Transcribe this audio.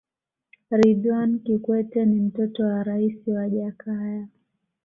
ridhwan kikwete ni mtoto wa raisi wa jakaya